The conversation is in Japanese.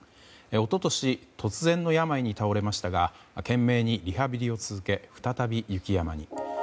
一昨年、突然の病に倒れましたが懸命にリハビリを続け再び雪山に。